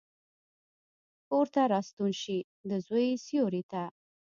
کورته راستون شي، دزوی سیورې ته،